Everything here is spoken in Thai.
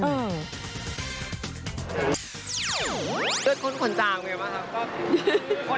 เลือดคนคนจางเยอะป่ะครับ